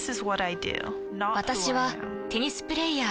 私はテニスプレイヤー。